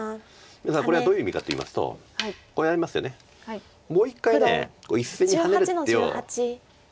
皆さんこれはどういう意味かといいますとこうやりましてもう一回１線にハネる手を。